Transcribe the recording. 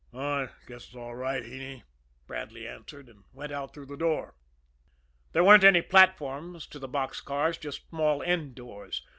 "Oh, I guess it's all right, Heney," Bradley answered and went out through the door. There weren't any platforms to the box cars, just small end doors.